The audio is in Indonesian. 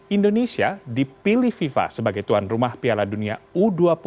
indonesia dipilih fifa sebagai tuan rumah piala dunia u dua puluh dua ribu dua puluh satu